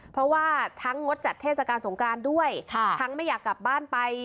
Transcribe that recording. เพราะว่าทั้งงดจัดเทศกาลสงกรานด้วยทั้งไม่อยากกลับบ้านไป